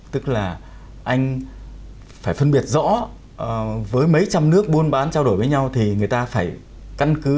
tức là anh phải phân biệt rõ với mấy trăm nước buôn bán trao đổi với nhau thì người ta phải căn cứ